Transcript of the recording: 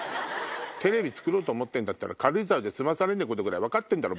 テレビ作ろうと思ってんだったら軽井沢で済まされねえことぐらい分かってんだろ